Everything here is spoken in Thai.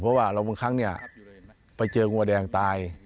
เพราะว่าเราเมื่อครั้งนี้ไปเจอกลัวแดงตาย